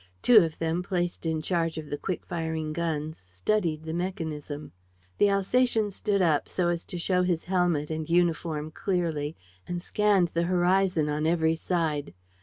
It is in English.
Two of them, placed in charge of the quick firing guns, studied the mechanism. The Alsatian stood up, so as to show his helmet and uniform clearly, and scanned the horizon on every side.